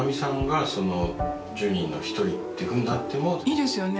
いいですよね